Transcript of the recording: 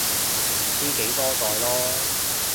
唔知幾多代囉